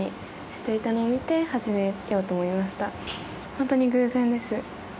本当に偶然です。